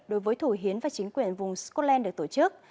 đối với thủ hiến và chính quyền vùng scotland được tổ chức